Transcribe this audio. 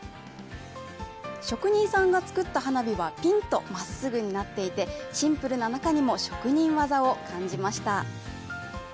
職人さんが作った花火はピンとまっすぐになっていてシンプルな中にも職人技を感じました。